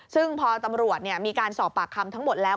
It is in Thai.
ซึ่งพอตำรวจมีการสอบปากคำทั้งหมดแล้ว